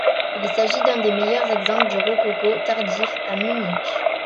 Il s'agit d'un des meilleurs exemples du rococo tardif à Munich.